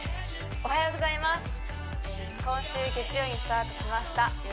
おはようございますあ！